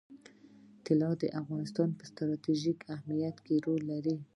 طلا د افغانستان په ستراتیژیک اهمیت کې رول لري.